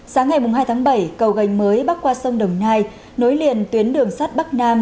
sáng ngày hai tháng bảy cầu gành mới bắc qua sông đồng nai nối liền tuyến đường sắt bắc nam